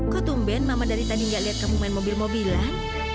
kok tumben mama dari tadi gak lihat kamu main mobil mobilan